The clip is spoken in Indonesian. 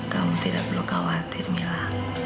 kamu tidak perlu khawatir mila